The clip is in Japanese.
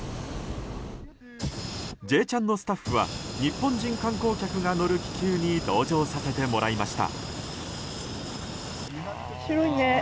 「Ｊチャン」のスタッフは日本人観光客が乗る気球に同乗させてもらいました。